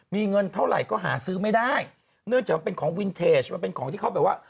มีเงินเท่าไหร่ก็หาซื้อไม่ได้เนื่องจากมันเป็นของวินเทจมันเป็นของที่เขาแบบว่า